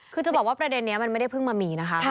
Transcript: คือจะบอกว่าประเด็นนี้มันไม่ได้เพิ่งมามีนะคะ